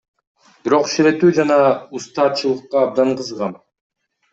Бирок ширетүү жана устачылыкка абдан кызыгам.